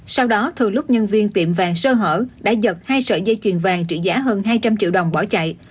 sau đó thường lúc nhân viên tiệm vàng sơ hở đã giật hai sợi dây chuyền vàng trị giá hơn hai trăm linh triệu đồng bỏ chạy